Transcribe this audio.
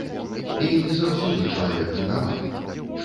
І не заўсёды чалавек вінаваты.